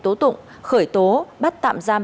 tố tụng khởi tố bắt tạm giam